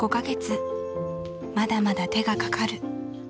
まだまだ手がかかる。